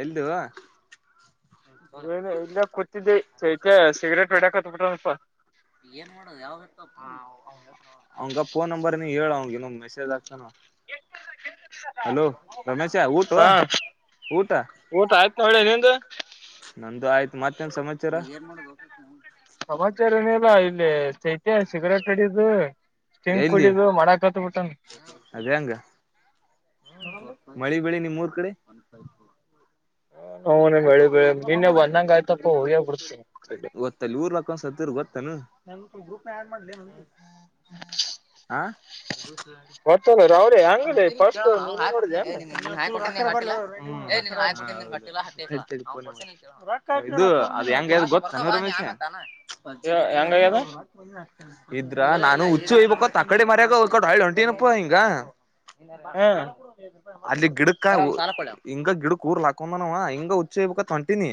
ಎಲ್ದುುವಇಲ್ಲಿಯೆ ಏನು ಇಲ್ಲ ಕೂತಿದ್ದಿ ಚೈತ್ಯ ಸಿಗರೇಟ್ ಬಿಡಾಕ ಹತ್ ಬಿಿಟ್ರನಪ್ಪಾ ಏನ್ ಮಾಡ ಯಾವ ಅವ ಫೋನ್ ನಂಬರ್ ನೀ ಹೇಳ ಅವ [unintelligible] ಹಾ ಊಟ ಊಟ ಆಯ್ತ್ು ನೋಡ್ಲೆ ನಿಂದು ಒಂದು ಆಯ್ತ್ ಮತ್ತ ಸಮ ಹ [unintelligible] ಸಮಾಚಾರ ಏನಿಲ್ಲಾ ಇಲ್ಲಿ ಚೈತ್ಯ ಸಿಗರೇಟ್ ಅಡಿದು ತಿಂಕ್ ಎಲ್ಲಿ ಕುಡಿದು ಮಡಕತ್ ಬಿಿಟ್ಟು ಅದೇ ಹಂಗ ಮಳಿ ಬೆಳಿ ನಿಮ್ ಮೂರ್ ಕಡೆ ಹೌದ ಬಿಡ್ತೀನಿ ಗೊತ್ತಲ್ಲಿ ಊರ್ ಲಾಕ ಒಂದ ಸತ್ತರ್ ಗೊತ್ತ ನಾನ ಗ್ರೂಪ್ ನ ಆಡ್ ಮಾಡ್ಲೆ ಆ ಗೊತ್ತಲ್ಲ ರಾವ್ರಿ ಅವ ಹೆಂಗಲಿ ಹಟ್ಟಿ ಫಸ್ಟ್ ಕೇಳೋವ ಅವ್ ನೀನೇ ಹಾಯ್ ಕೊಟ್ಟ ನೋಡಿದ್ಯಾನ ೆ [unintelligible] ಇದು ಅದು ಹೆಂಗ ಅ ಗೊತ್ತ [unintelligible] ಹೆಂಗಾಗ್ಯದ ಇದ್ರ ನಾನು ಹುಚ್ಚಿ ಹಯ್ಬೇಕತ್ ಆಕಡೆ ಮರ್ಯಾಗ ಹೊಲ್ಕೊಂಡ ಆಯ ಹೊಂಟನಪ್ಪಾ ಹಿಂಗ ಹ್ಮ್ ಅಲ್ಲಿ ಗಿಡಕ ಹಿಂಗ ಗಿಡಕ್ ಊರ್ ಹಾಕೊಂಡನವಾ ಹಿಂಗ [unintelligible] ಕಂಟನ್ಯ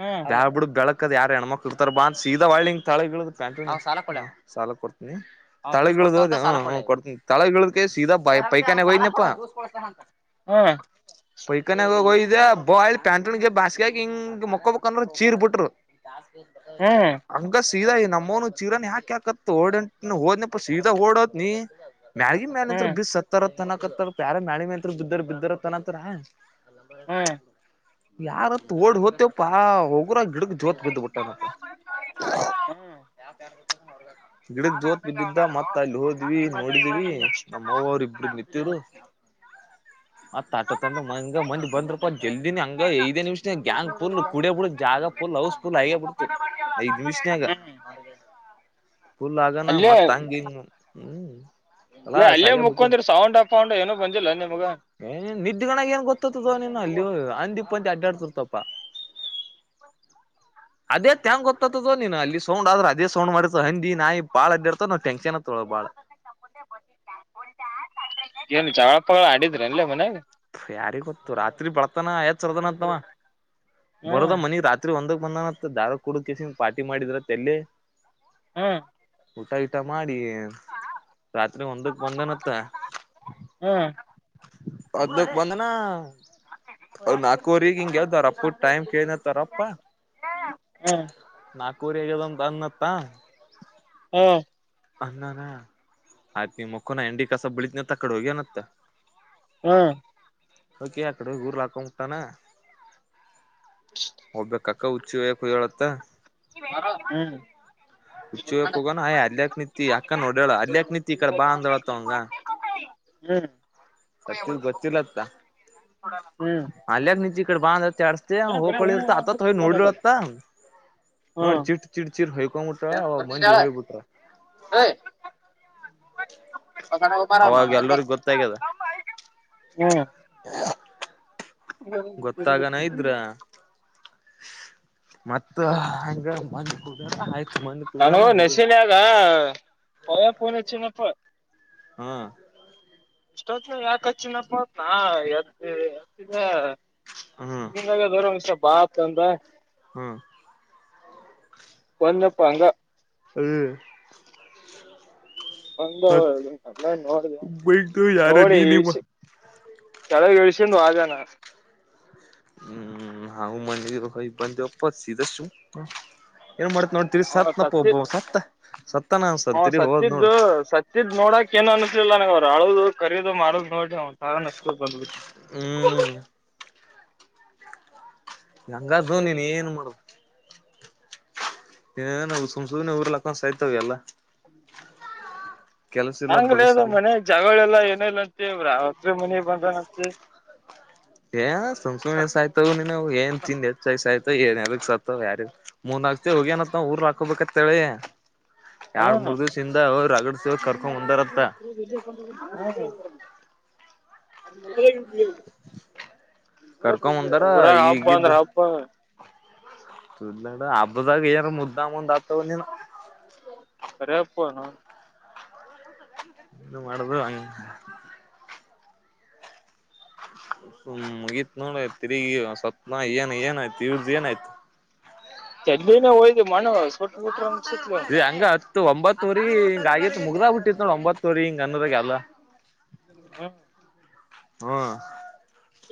ಹ್ಮ್ ಯಾವ ಬಿುಡು ಬೆಳಗ್ ಯಾರ ಹೆಣ್ಮಕ್ ಇರ್ತಾರ ಬಾ ಸೀದಾಳ ತಳಂಾಲ ಕೊಡ್ ಕೊಡ್ ತಳಗಳದಕ ಸೀದಾ ಪೈಕಾನೆಾಗ ಹಯನಪ್ಪ ಹ್ಮ್ ಪೈಕನೆಯ್ದ ಬಯಲ್ ಬಸ್ಗಗ ಹಿಂಗ್ ಮಕ್ಕಬೇಕಂದ ಚೀರ್ ಬಿಟ್ರು ಹ್ಮ್ ಹಂಗಸ್ ಸೀಾ ನಮ್ಮನು ಚೀರ ಯಾಕ್ಯಾಕತ್ ಡಂಟ ಹೋದ್ ಸೀದಾ ಓಡತ್ ನೀ ಮ್ಯಾಳಿ ಮನ್ಂತ್ರ ಹ್ಮ್ ಬ್ ಸತ್ತಾರ ತನಕತ್ತಾರ ಪ ಯಾರ ಮ್ಯಾಳ ಮಿಂತ್ರ ಬಿದ್ದ ಬಾರ ತನತ್ರ ಯಾರ ತೋಡ್ ಹತ ಪಾ ಹೋಗ ರ ಗಿಡಕ್ ಜೋತ್ ಬಿದ್ದುಬಟ್ಟ ಏನಪ್ಪ ಗಿಡಕ್ ಜೋತ್ ಬಿದ್ದಿದ್ದ ಮತ್ತ ಅಲ್ಲಿ ಹೋದ್ವಿ ನೋಡಿದೀವಿ ನಮ್ಮವರು ಇಬ್ರ ನಿಂತಿದ್ರು ಹ ಆ ತಾಟ ತ ಮ ಮಂದ್ ಬಂದ್ರಪ್ಪ ಜಲ್ದಿನ ಹಂಗ ಐದೇ ನಿಮಿಷ ಗ್ಯಾಂಗ್ ಪುಲ್ ಕುಡಿಯ ಪಡ ಜಾಗ ಪುಲ್ ಲವಸ್ಫುಲ್ ಆಗ ಬಿಡ್ತು ಐದ್ ನಿಮಿಷನ ಆಗ ಹ್ಮ್ ಹ್ಮ್ ಫುಲ್ ಆಗಾನ ಅಲ್ಲೇ ಮತ್ತತ್ಂಗಿ ಹ್ಮ್ ಇಲ್ಲ ಕಲಾಸ್ ಅಲ್ಲೇ ಆಗೇ ಬಿಟ್ಟಿದ್ ಮುಕ್ಕೊಂಡ್ರ ಸೌಂಡ್ ಅಪ್ೌಂಡ್ ಏನು ಬಂದಿಲ್ಲ ನಿಮ್ಗ ಏ ನಿದ್ದೆಗಣಾಗ ಏನ್ ಗೊತ್ತತದ ನೀನು ಅಲ್ಲಿ ಅಂದಿಪ್ಪ ಅಂತ ಅಡ್ಡಾಡ್ತರ್ತಪ್ಪಾ ಹ್ಮ್ ಅದೇ ತ್ಯಂಗ್ ಗೊತ್ತತದ ನೀನು ಅಲ್ಲಿ ಸೌ್ ಆದ್ರ ಅದೇ ಸೌಂಡ್ ಮಾಡಿತ ಹಂದಿ ನಾಯಿ ಬಾಳ ಅಡ್ಿ ಇರ್ತ ೆಂಷನ್ ತಳೋ ಬಾಳ ಏನು ಜಾವಳಪ್ಪಳ ಆಡಿದ್ರ ಅಲ್ಲ ಮನಲಿ ಯಾರಿ ಗೊತ್ತು ರಾತ್ರಿ ಬಳತಾನ ಯತ್ ಸರ್ದನ ಅಂತವ ಹ್ಮ್ ಬರದ ಮನಿ ರಾತ್ರಿ ಒಂದ ನ ದಾರ ಕುಡುಕಸ ಪಾ್ಟಿ ಮಾಡಿದ್ರ ತಲ್ಲಿ ಹ್ಮ್ ಊಟ ಊಟ ಮಾಡಿ ರಾತ್ರಿ ಒಂದಕ್ ಬಂದನತ್ತ ಹ್ಮ್ ಲಕ್ ಬಂದನಾ ಅವ ನಾಲ್ಕವರಿಗ ಹಿಂಗಗೆಲ್ದಾರಪ್ಪ ಟೈಮ್ ಕೇಳನ್ತ್ತಾರಪ್ಪ ಹ್ಮ್ ನಾಗಪುರಿದಮ ತನತ ಹ್ಮ ಅನ್ನಾನ ಆಯ್ತು ನೀ ಮಕ್ಕನ ಹೆಂಡಿ ಕಸ ಬೆಳತ್ನತ್ತ ಕಡೆ ಹೋಗಿನತ್ತ ಹ್ಮ್ ಓಕೆ ಆ ಕಡೆ ಊರ್ ಹಾಕ ಮುಟಾನ ಒಬ್ಬ ಕ ಉಚಿಳತ್ತ ಹುಚ್ಚಿ ಒಯ್ಯಕ್ ಹ್ಮ್ ಹೋಗನ ಆಯ್ ಅಲ್ಯಾಕ್ ನಿಂತಿ ಅಕ್ಕ ನೋಡ್ಯಾಳ ಅಲ್ಯಾಕ್ ನಿಂತಿ ಈ ಹ್ಮ್ ಕಡೆ ಬಾ ಅಂದಳತ್ತ ಹ್ಮ್ ಸತ್ತಿದ ಗೊತ್ತಿಲ್ಲತ್ತ ಹ್ಮ್ ಅಲ್ಯಗ್ ನಿಜ ಈ ಕಡೆ ಬಾಂದತ್ತ ಾಸ್ತ ಹೋಗ್ಕಳಿರ್ತ ಆತತ್ ಹಯ್ ನೋಡತ್ತ ನೋಡಿ ಚಿಟ್ ಚಿಟ್ ಚಿರ್ ಹಯ್ಕೊಂಡ್ಬಿಟ್ರ ಅವ ಮಂದಿ ಹೋಗಬಿಟ್ರ ಹಾ ಬರಾವ ಅವಾಗ ಹ್ಮ್ ಎಲ್ಲರಿಗ ಗೊತ್ತಾಗ್ಯದ ಗೊತ್ತಾಗನ ಇದ್ರ ಮತ್ತ ಹಂಗ ಮಂದ ಕೂಡ ಆಯ್ತು ಮಂದ ಕೂಡೋಣ ಇದು ಪಯಾ ಪೋನ್ಚ್ಚನಪ್ಪ ಹ್ಮ ಇಷ್ಟೋತ್ ಯಾಕ ಹಚ್ಚಿನಪ್ಪತ್ನಾ ಎತ್ತ ಹ್ಮ ನಿಾಗ ಬರ ಮಷ್ಟ ಬಾ ಆತ ಅಂದ್ರ ಹ್ಮ್ ಪ ನ ಪಂಗ ಮತ್ ಒಂದನ್ನ ನೋಡ ಬೈಕ್ ಯಾರ ನೋಡಿ ನೀನಿವ ಇಳ್ಸ ಕೆಳ ಎಳ್ಸೊಂಡು ಆಗಾನ ಹ್ಮ್ ಹಾ ಮನಿ ಭ ಬಂದುಪ್ಪ ಸಧು ಏನ್ ಮಾಡತ್ ನೋಡ್ತೀರಿ ಸತ್ನಪ್ಪ ಒಬ್ಬ ಸತ್ತ ಸತ್ತನ ಅನ್ಸಲ್ ಹ ತಿರಿ ಹೋದ್ ನೋಡು ಸತ್ತಿದ್ದು ಸತ್ತಿದ್ ನೋಡಕ್ ಏನು ಅನಿಸಲಿಲ್ಲ ನನರು ರಾಳೋದು ಮಾರ ನೋಟ ಸಾರಾ ನಷ್ಟಕ ಬಂದ ಹ್ಮ್ ಹಂಗಾದು ನೀನ್ ಏನ್ ಮಾಡುದು ಏ ನಾವು ಸಂಸೋದನೆ ಊರಲ್ಲಕ್ಕಸಾಯ್ತವೆ ಎಲ್ಲ ಕೆಲಸ ಇಲ್ಲ ಹಂಗಲ ಬಗಸ ಅದು ಇಲ್ಲ ಮನೆ ಜಗಳೆಲ್ಲಾ ಏನ ಇಲ್ಲಂತೆ ರಾತ್ರಿ ಮನ ಬಂದನಂತೆ ಏ ಸಂ ಆಯ್ತವ ನೀಿನ ಏನ್ ತಿಿಂದ ಹೆಚ್ಚಾಯ್ ಆಯ್ತು ಮ ಏನ್ಯದಕ್ ಸತ್ತ ಯಾರ ಮೂನ್ ಆಗ್ತಿ ಹೋಗಿ ಅನತ್ ಊರ್ ಹಾಕೋಬೇಕತ್ತಳಿ ಯಾರ್ ಹ್ಮ್ ಮೂರ್ ದಿವ್ಸ ಇಿಂದ ಅವ ರಾಗಡಸ ಕರ್ಕೊಂಡ ಮುಂದಾರತ್ತ ಹ್ಮ್ ಅ ಮಾಡಿ ಕರ್ಕೊಂದಾರ ಊರಾಗ ಹಬ್ಬ ಈಗಿದ್ದ ಅಂದ್ರ ಹಬ್ಬ ಮೊದ್ಲಡ ಹಬ್ಬದಾಗ ಏಾರ ಮುದ್ದ ಮುದ ಆಗ್ತವ ನೀನು ಕರಪ್ಪ ನ ಇದು ಮಾಡುದು ಹಂಗ ಮುಗತ್ ನೋಡ ತಿಗಿ ಸತ್ನಾ ಏನ್ ಏನಯ್ತು ಇವೃದು ಏನಾಯ್ತು ಚಲ್ಲಿಲ್ಲ ನ ಹಯದು ಮನೋ ೋಟ ಮಟ ಅಂ ಸಟ್ [inaudible] ಇ ಒಂಬತ್ೂರಿಗೆ ಹಿಂಗ ಆಗತ್ ಮುಗ್ದ ಹ ಬಿಟ್ಟಿತ್ ನೋಡಿ ಒಂಬತ್ತವರಿ ಹಿಂಗ ಅನ್ನೂರಗೆ ಅಲ್ಲ ಹ್ಮ ಹ್ಮ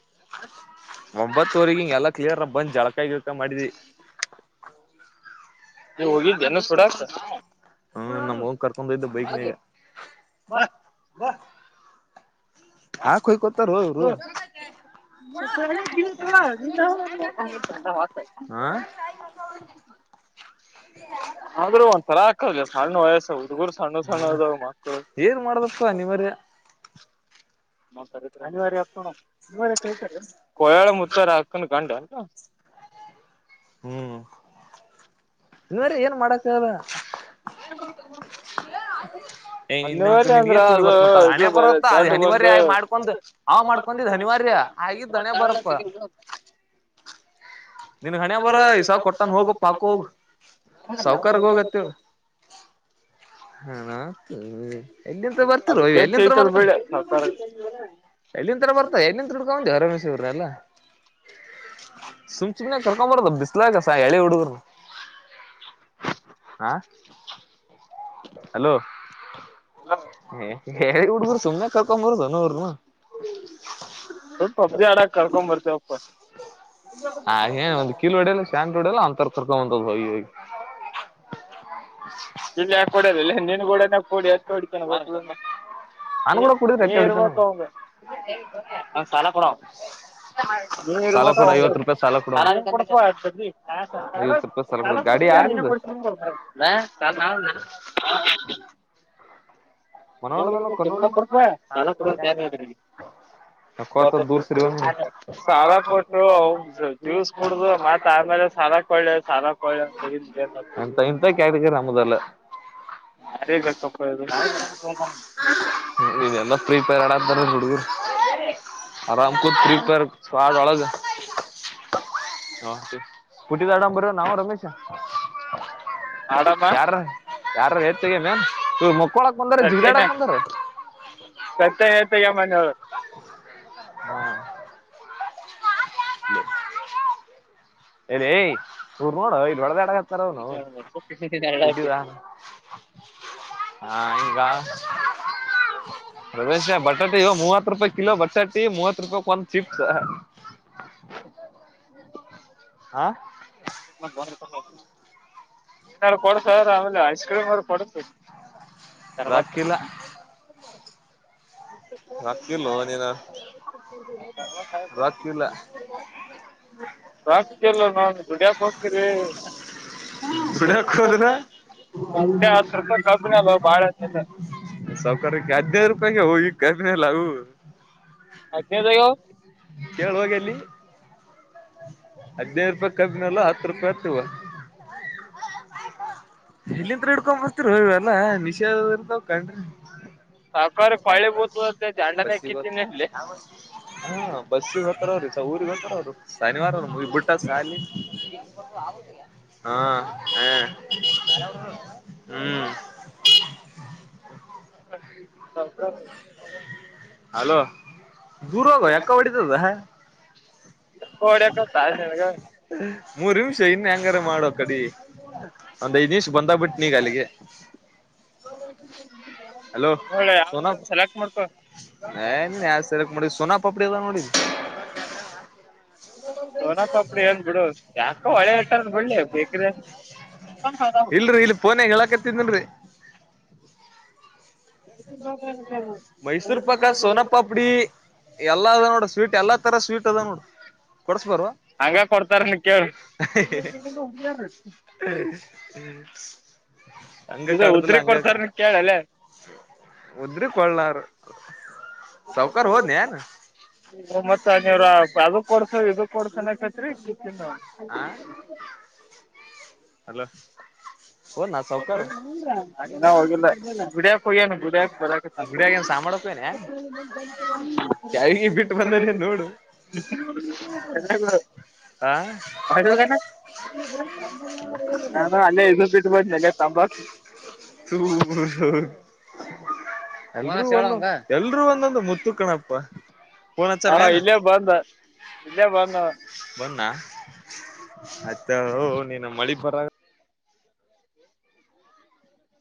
ಹ ಒಂಬತ್ತುವರೆ ಹಿಂಗ ಎಲ್ಲಾ ಕ್ಲಿಯರ್ ಬಂದ್ ಜಳಕ ಗಿಲ್ಕ ಮಾಡಿದಿ ನೀ ಹೋಗಿದ್ಯಾನು ಸೋಡಕ ಹ್ಮ ನಮ್ ಅವ್ವನ್ ಕರ್ಕೊಂಡೋಗಿದ್ದೆ ಬೈಕ್ನಗ ಹಾ ಕೊಯ್ಕತಾರ ಅವರು [unintelligible] [unintelligible] ಹಾ ಆದ್ರೂ ಒಂದ್ ತರಾ ಆಕ್ಕಲ್ ಸಣ್ಣ ವಯಸ್ಸ ಹುಡುಗರು ಸಣ್ಣ ಸಣ್ಣ ಅದ ಮಕ್ಕಳು. ನಡ ದ ನೀವರ ಅನಿವಾರ್ಯ ಕೊಯಳ ಮುುತ್ತರ ಹಾಕ್ಕನ್ ಕಂಡನ್ ಹ್ಮ ಹ್ಮ್ ಇವೇ್ರ ಏನ್ ಮಾಡಕ್ಕದ ಹ ಹ ಮಣಿವಳ್ಳ ಅಂದ್ರ ಅದು ಇ ಬೇರೆ ಬರತ್ತ ಅದ್ ದಾಂಡ ಅನಿವಾರ್ಯ ಬಂದು ಆಗಿ ಮಾಡ್ಕೊಂಡ್ ಅವ ಮಾಡ್ಕೊಂಡಿದ್ ಅನಿವಾರ್ಯ ಆಗಿದ್ದ್ ಅಮ್ಮ ಹಣೆ ಬರಪ್ಪ ಕಳತ ನಿನ್ ಹಣಿ ಬರ ಈಸ ಕೊಟ್ಟನ್ ಹೋಗ ಪಾಕ್ ಹೋಗು. ಸೌಕಾರರ್ಗ ಹೋಗತ್ತ ಹ ಹ್ಮ್ ಎಲ್ಲಿಂಂತ ಬರ್ತಿರ ಅದು ಕೆಟ್ಟ ಎಲ್ಲಿಂತ್ರ ಐತದ ಬರ್ತ ಬಿಡ ಸರ್ಕಾರ ಎಲ್ಲಿನ್ ತರ ಬರ್ತ ಎಲ್ಲಿಂದ ತಿುಡ್ಕೊಂದೆ ಹೊರಮೇಶ್ವ್ರ ಅಲ್ಲ ಸುಮ್ ಚುಮನೆ ಕರ್ಕೊ ಬರದು ಬಿಸಲಾಗ ಹ ಎಳೆ ಹಡುಗರು ಹಲೋ ಹ ಹೇಳಿ ಉಡ್ಬರು ಸುಮ್ನೆ ಕರ್ಕೊಂಬರದು ನೋರ್ನು ಸ್ವಲ್ಪ ಪಬ್ಜಿ ಆಡಾಕ್ ಕರ್ಕೊನ್ಡ್ ಬರ್ತೇವ ಅಪ್ಪ ಹ ಏನ್ ಒಂದ ಕೀಲ ಹೊಡಿಯಲ್ಲ ಶಾಟ್ ಹೊಡಿಯಲ್ಲ ಒಂತರ ಕರ್ಕೊಂಬಂತದ ಹೋಗಿ ಹೋಗಿ ಇಲ್ಲ ಯಾ ಕೊಡಲ್ಲ ನಿನ್ ಕೂಡ ಕೊಡಿ ಹತ್ತ ಹೊಡಿಕನ ಬರ್ ನಾನ್ ನೀ ಕೂಡ ಕುಡಿದ್ರೆ ನೀ ಎತ್ತೆ ಹೊಡಿತಾನ ಅವ. ಇರುವಕಂಗ ಹಾ ಸಾಲಾಪುರ ನೀನ್ ಸಾಲ ಕೊಡು ಐವತ್ ರೂಪಾಯಿ ಸಾಲ ಕೊಡು ಅವ್ನ್. ಇಡ್ಬೇಕ ಐವತ್ ರೂಪಾಯಿ ಸಾಲ ಕೊಡು ಗಾಡಿ ಯಾರ್ದಿದು ಚ ನ ನಾನ ಮನೋಣ್ಣದನ ಕನ್ನೋಡಿ ನಕ್ಕೋತ ತ ದೂರ್ ಸಿರಿವ ನೀನು ಸಾಲ ಕೊಟ್ಟು ಜ್ಯೂಸ್ ಕುಡ್ದು ಮತ್ತ ಆಮೇಲೆ ಸಾರಾ ಕಳ ಸಾರಾ ಕ ಮುದಲ ಯಾರಗಕ್ಕದು ಇದೆಲ್ಲ ಪ್ರೀಪೇರ್ ಆಡ್ದಾರ ಹುಡುಗರು ಆರಾಮ್ ಕೂತ್ರಿಪೇರ್ ಪಡ್ ಒಳಗ ಹ ಕುಟ್ಟ ದಡ ಬರ ನಾವ ರಮೇಶ ಆಡಾಮ ಯಾರ ಯಾರ ಹೇತಗ ಮೇ ಮುಕ್ಕಳಕ್ ಬಂದಾರ ತಟ್ಟೆನ ಜಿಗ್ದಾಡಕ್ ಬಂದಾರ ಮನೆ ನೀಡಿಿ ಇಲ್ಲ ರ್ಡ ಇಲ್ಲಿಳ ತಡ ನ ಅವ ಟಿ ಹಾ ಈಗ ಪ್ರದೇಶ ಬಟಾಟಿ ಮೂವತ್ತು ರೂಪಾಯಿ ಕಿಲೋ ಬಟಾಟಿ ಮೂವತ್ ರೂಪಾಯಕ್ ಒಂದ್ ಚಿಪ್ಸ್ ಹಾ ಾರು ಕೊಡ್ತ್ರ ಆಮೇಲೆ ಐಸ್ ಕ್ರೀಮ್ ಅವ್ರ ಕೊಡತ ತರ್ವ ರೊಕ್ಕಿಲ್ಲ ಎ ರೊಕ್ಕಿಲ್ಲೋ ನೀನು ರೊಕ್ಕಿಲ್ಲ ಹ್ಮ್ ಇಲ್ಲ ನಾ ಗುಡ್ಯಾಕ್ ಹೋಗತರಿ ದುಡಿಯಕ್ ಹೋದ್ರ ಅಂಡೆ ಹ ಸರ್ಕಾರ ಕಬು ಬಳ ಸಾವಕಕ್ಕೆ ಹದಿನೈ ರೂಪಾಯಿಗೆ ಹೋಗ ಕ್ಮೆಲ್ಲ ಅದದ ಇಲ್ಲಿ ಹದ್ಿನೈದು ರೂಪಾಯಿ ಕಬ್ಬಿನಲ್ಲ ಹತ್ತು ರೂಪಾಯಿ ಹತ್ತವ ಇಲ್ಲಿತ್ ಹಿಡ್ಕೊ್ ಬರ್ತಿರ ಇವಲ್ಲಾ ನಿಷೇಧ ಇರ್ದಾವ್ ಕಣ್ರಿ ಹಾ ಬಸ ಅಲ್ಲಿ ಹ ಬಸ್ಸಿ ಹತ್ತೀ ಊರಿ ಗೊತ್ತ ೌದು ಶನಿವಾರ ಮುಗ ಬಿುಟ್ಟಖಾಲಿ ಹ್ಮ್ ಹಾ ಹ ಹ್ಮ್ ಅಲೋ ದೂರ್ವೋಗುವ ಯಕ್ಕ ಹೊಡಿತದ ಡಕತ್ತಾಗೆ ಮೂರು ನಿಷ ಇನ್ ಹೆಂಗಾರ ಮಾಡೋ ಕಡಿ ಒಂದ್ ಐದ್ ನಿಮಿಷ ಬಂದಾಗಬಿಟ್ಟ ನೀಗ ಅಲ್ಲಿಗೆ ಹೌ ಹಲೋ ಸೋನ ಮಾಡ್ಕೊ ಆ ಸಕ್ ಮಾಡ ಸೋನಾ ಪಡಿದಾ ನೋಡಿ ೋನಾಕಪ್ರ ಏನ್ ಬಿಡು ಯಾಕ ಹೊಳೆ ಇಷ್ಟಾರ ಬಿಡ್ಿ ಬೇಕ್ರ ಇಲ್ರರಿ ಇಲ್ಲಿ ಪೋನ ಹೆ ಹೇಳಾಕತಿದನ್ರರಿ ಹ್ಮ್ ಮೈಸೂರು ಪಾಕ್ಕ ಸೋನಾ ಪಾಪಡಿ ಎಲ್ಲಾ ಅದ ನೋಡ ಸ್ವೀಟ್ ಎಲ್ಲಾ ತರ ಸ್ವೀಟ್ ಅದ ನೋಡ ಕೊಡ್ಸ್ ಬರ್ ಹಂಗ ಕೊಡ್ತಾರ ನಿ ಕೇಳಿ ಎ ಹ ಯಾರ ಹಂಗ ಇದು ಕಡದಿಲ್ಲ ಉದರಿ ಹಂಗ ಪಡ್ತರ ಕೇಳಳ್ ಅಲ್ಲ ಬಿ ಕೊೊಳ್ಳಾರ ಮತ್ತ ನೀವ್ರ ಅದಕ್ ಕೊಡ್ಸ ಇದಕ್ ಕೊಡ್ಸನ ಅತ್ರ ಆ ಹಲೋ ಹೋದ್ನಾ ಸೌಕಾರ ಅದೇನ ಹೋಗಿಲ್ಲ ಗುಡಿಯಕ್ ಹೋಗ್ಯನು ಗುಡಕ ಗುಡಿಯಾಗೇನ್ ಸಾಮಾಡಕೋಯ್ನೇನ್ ಕ್ಯಾವಿಗೆ ಬಿಟ್ಟು ಹ್ಮ್ ಬಂದನೆ ನೋಡು ಎ ಹಾ ಜ ತಂಬ ಹ್ಮ ಹ ಎಲ್ರೂ ಒಂದೊಂದು ಮುತ್ತುಕಣಪ್ಪ ಹಾ ಇಲ್ಲೇ ಬಂದ ಇಲ್ಲೇ ಬಂದ ಬನ್ನ ಅತ್ತ ಹ ನೀನು ಮಳಿ ಬರಾಗ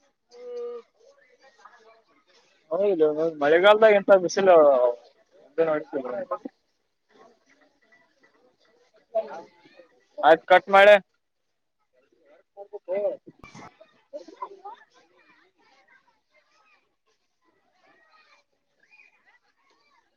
ಹ್ಮ್ ಹೌ ಇದು ಮಳೆಗಾಲದಾಗ ಎಂತ ಬಿಸಿಲುತ ಆಯ್ತು ಕಟ್ ಮಾಡೆ [unintelligible]